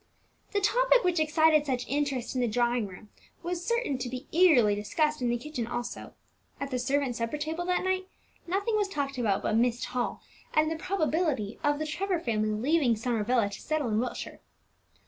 The topic which excited such interest in the drawing room was certain to be eagerly discussed in the kitchen also. At the servants' supper table that night nothing was talked about but Myst Hall, and the probability of the Trevor family leaving Summer Villa to settle in Wiltshire.